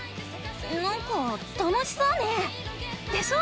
なんか楽しそうねぇ。でしょ！